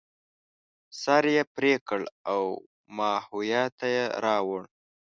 سر یې پرې کړ او ماهویه ته یې راوړ.